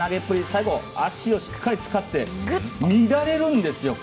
最後、足をしっかり使って乱れるんですよね。